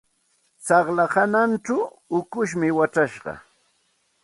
Tsaqlla hanachaw ukushmi wachashqa.